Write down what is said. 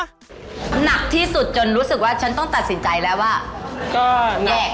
หนักที่สุดจนรู้สึกว่าฉันต้องตัดสินใจแล้วว่าก็แยก